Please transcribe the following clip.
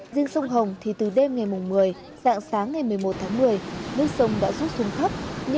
riêng sông hồng thì từ đêm ngày một mươi dạng sáng ngày một mươi một tháng một mươi nước sông đã rút xuống thấp